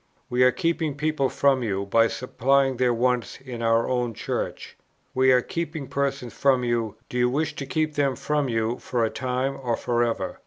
We are keeping people from you, by supplying their wants in our own Church. We are keeping persons from you: do you wish us to keep them from you for a time or for ever?